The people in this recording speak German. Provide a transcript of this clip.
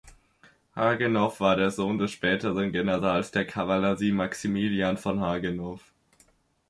Hagenow war der Sohn des späteren Generals der Kavallerie Maximilian von Hagenow.